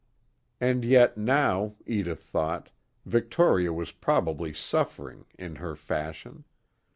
And yet now, Edith thought, Victoria was probably suffering, in her fashion.